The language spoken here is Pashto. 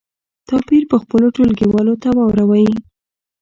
توپیر په خپلو ټولګیوالو ته واوروئ.